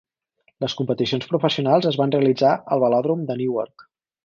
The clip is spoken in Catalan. Les competicions professionals es van realitzar al Velòdrom de Newark.